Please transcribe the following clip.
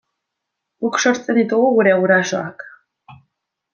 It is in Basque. Guk sortzen ditugu gure gurasoak.